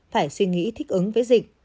phải suy nghĩ thích ứng với dịch